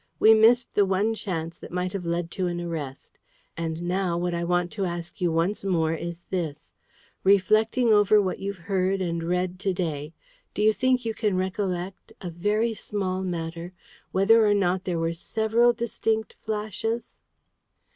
We missed the one chance that might have led to an arrest. And now, what I want to ask you once more is this: Reflecting over what you've heard and read to day, do you think you can recollect a very small matter whether or not there were SEVERAL distinct flashes?"